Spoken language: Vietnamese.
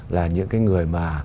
là những cái người mà